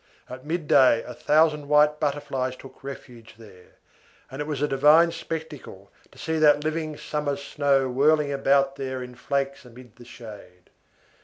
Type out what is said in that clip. At midday, a thousand white butterflies took refuge there, and it was a divine spectacle to see that living summer snow whirling about there in flakes amid the shade.